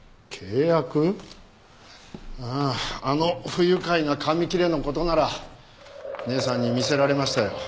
あああの不愉快な紙切れの事なら姉さんに見せられましたよ。